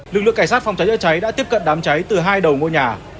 lực lượng cảnh sát phòng cháy chữa cháy đã tiếp cận đám cháy từ hai đầu ngôi nhà